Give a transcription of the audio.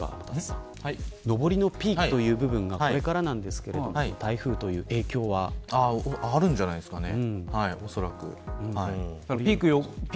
上りのピークという部分がこれからなんですがあるんじゃないですかね